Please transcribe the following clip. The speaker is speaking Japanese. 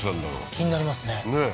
気になりますねねえ